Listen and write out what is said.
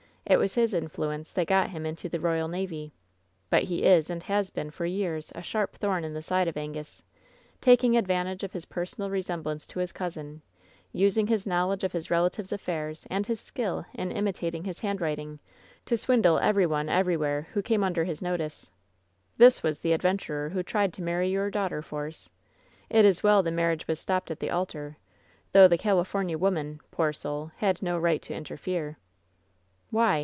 It was his influence that got him into the royal navy. But he is and has been for years a sharp thorn in the side of Angus, taking advantage of his personal resemblance to his cousin, using his knowledge of his relative's affairs and his skill in imitating his handwriting to swindle every one everywhere who came under hjs notice. This was the adventurer who tried to marry your daughter, Force. It is well the marriage was stopped at the altar, though the California woman, poor soul, had no right to interfere." "Why?"